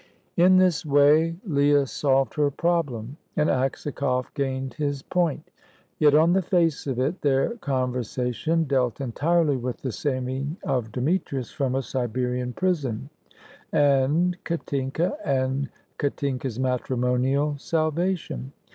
In this way Leah solved her problem, and Aksakoff gained his point; yet, on the face of it, their conversation dealt entirely with the saving of Demetrius from a Siberian prison, and Katinka and Katinka's matrimonial salvation.